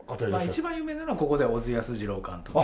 一番有名なのはここでは小津安二郎監督ですね。